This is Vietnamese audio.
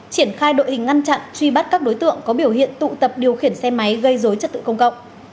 triển khai đội hình ngăn chặn truy bắt các đối tượng có biểu hiện tụ tập điều khiển xe máy gây dối trật tự công cộng